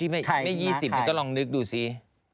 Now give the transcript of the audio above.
ไม่๒๐นี่ก็ลองนึกดูสิ